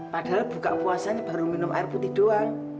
padahal buka puasa ini baru minum air putih doang